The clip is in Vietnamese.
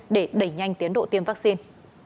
để đẩy nhanh tiến độ tiêm vắc xin